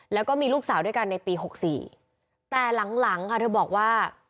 แล้วก็มีลูกสาวด้วยกันในปี๖๔แต่หลังหลังค่ะเธอบอกว่า